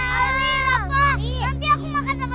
ketika mereka berdua berdua